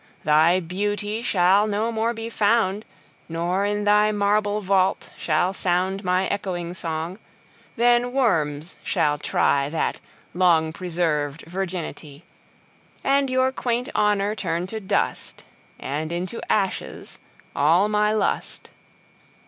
Thy Beauty shall no more be found; Nor, in thy marble Vault, shall soundMy ecchoing Song: then Worms shall tryThat long preserv'd Virginity:And your quaint Honour turn to dust; And into ashes all my Lust.